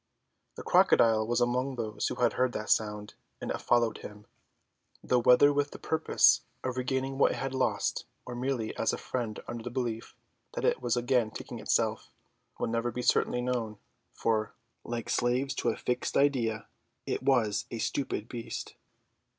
The crocodile was among those who heard the sound, and it followed him, though whether with the purpose of regaining what it had lost, or merely as a friend under the belief that it was again ticking itself, will never be certainly known, for, like slaves to a fixed idea, it was a stupid beast.